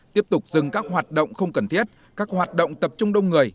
tiếp tục dừng các hoạt động không cần thiết các hoạt động tập trung đông người